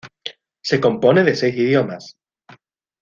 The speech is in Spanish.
Se compone de seis idiomas.